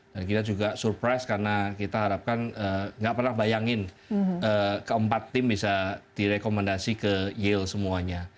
dan kita juga surprise karena kita harapkan nggak pernah bayangin keempat tim bisa direkomendasi ke yale semuanya